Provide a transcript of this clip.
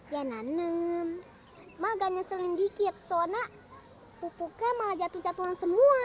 ya nanam cuma agak nyeselin dikit soalnya pupuknya malah jatuh jatuhan semua